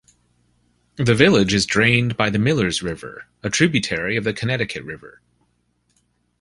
The village is drained by the Millers River, a tributary of the Connecticut River.